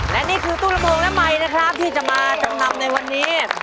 และนี่คือตู้ระบวงและไมค์นะครับที่จะมาจำนำในวันนี้